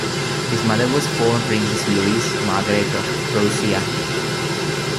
His mother was the former Princess Louise Margaret of Prussia.